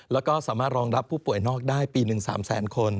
แล้วก็สามารถรองรับผู้ป่วยนอกได้ปีหนึ่ง๓แสนคน